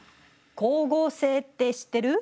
光合成って知ってる？